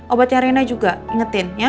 obatnya rena juga ingetin ya